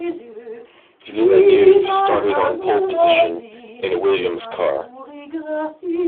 Villeneuve started on pole position in a Williams car.